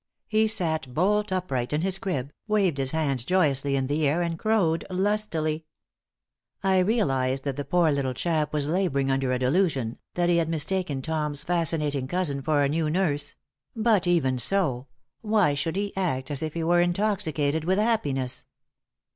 He sat bolt upright in his crib, waved his hands joyously in the air, and crowed lustily. I realized that the poor little chap was laboring under a delusion, that he had mistaken Tom's fascinating cousin for a new nurse; but, even so, why should he act as if he were intoxicated with happiness?